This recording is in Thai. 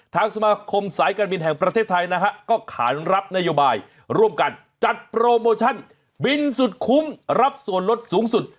ทางสมาคมสายการบินแห่งประเทศไทยนะฮะก็ขานรับนโยบายร่วมกันจัดโปรโมชั่นบินสุดคุ้มรับส่วนลดสูงสุด